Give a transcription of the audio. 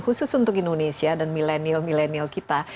khusus untuk indonesia dan milenial milenial kita